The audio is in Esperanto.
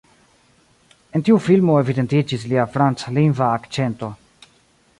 En tiu filmo evidentiĝis lia franclingva akĉento.